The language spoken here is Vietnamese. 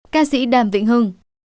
ca sĩ đàm vĩnh hưng